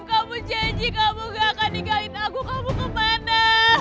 kamu janji kamu gak akan digangit aku kamu kemana